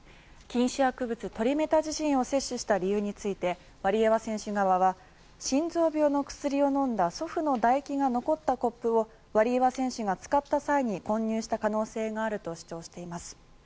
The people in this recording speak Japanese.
禁止薬物トリメタジジンを摂取した理由についてワリエワ選手側は心臓病の薬を飲んだ祖父のだ液が残ったコップをワリエワ選手が使った際に混入した可能性があると主張しています。